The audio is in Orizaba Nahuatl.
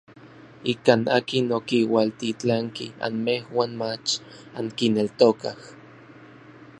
Ikan akin okiualtitlanki anmejuan mach ankineltokaj.